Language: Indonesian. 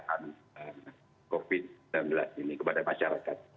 kami juga memberikan bantuan covid sembilan belas ini kepada masyarakat